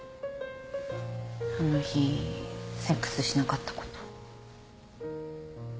あの日セックスしなかったこと。